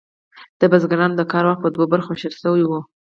د بزګرانو د کار وخت په دوو برخو ویشل شوی و.